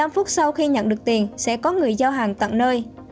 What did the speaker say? một mươi năm phút sau khi nhận được tiền sẽ có người giao hàng tặng nơi